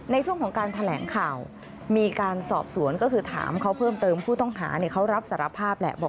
ในช่วงของการแถลงข่าวมีการสอบสวนก็คือถามเขาเพิ่มเติมผู้ต้องหาเขารับสารภาพแหละบอก